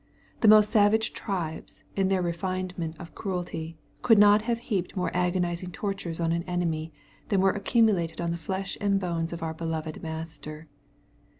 The most savage tribes, in their refinement of cruelty, could not have heaped more agonizing tortures on an enemy than were accumulated on the flesh and bones of our beloved Master.